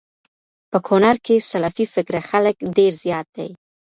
په کونړ کي سلفي فکره خلک ډير زيات دي